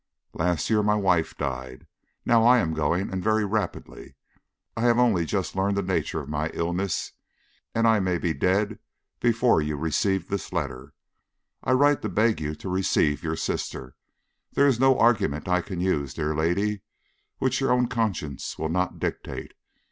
Last year my wife died. Now I am going, and very rapidly. I have only just learned the nature of my illness, and I may be dead before you receive this letter. I write to beg you to receive your sister. There is no argument I can use, dear lady, which your own conscience will not dictate.